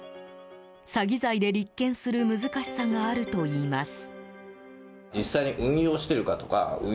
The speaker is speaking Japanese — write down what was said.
詐欺罪で立件する難しさがあるといいます。